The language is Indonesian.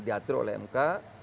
diatur oleh mk